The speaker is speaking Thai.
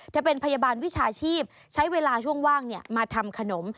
จะเป็นพยาบาลวิชาชีพใช้เวลาช่วงว่างมาทำขนม